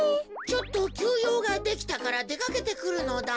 ちょっときゅうようができたからでかけてくるのだ。